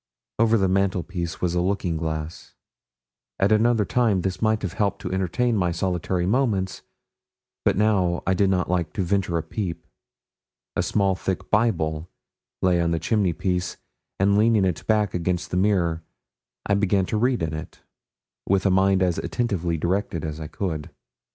Over the mantelpiece was a looking glass. At another time this might have helped to entertain my solitary moments, but now I did not like to venture a peep. A small thick Bible lay on the chimneypiece, and leaning its back against the mirror, I began to read in it with a mind as attentively directed as I could.